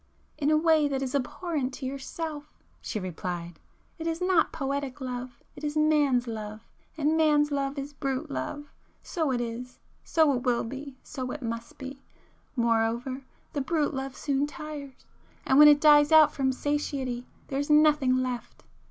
In a way that is abhorrent to yourself!" she replied—"It is not poetic love,—it is man's love, and man's love is brute love. So it is,—so it will be,—so it must be. Moreover the brute love soon tires,—and when it dies out from satiety there is nothing left.